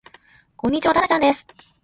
こんにちはたらちゃんです